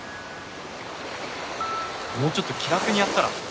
もうちょっと気楽にやったら？